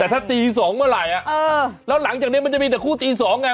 แต่ถ้าตี๒เมื่อไหร่แล้วหลังจากนี้มันจะมีแต่คู่ตี๒ไง